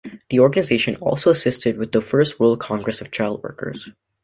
The organization also assisted with the First World Congress of Child Workers.